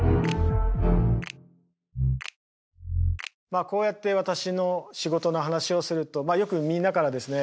まあこうやって私の仕事の話をするとよくみんなからですね